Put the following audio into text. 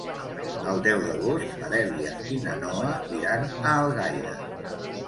El deu d'agost na Dèlia i na Noa iran a Algaida.